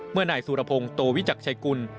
เมื่อหน่ายสุรพงศ์โตวิจักรชัยกุล